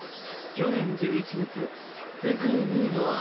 去年１１月世界２位の暗号